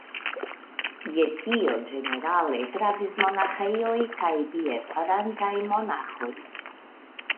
Je tio ĝenerale gravis monaĥejoj kaj bierfarantaj monaĥoj.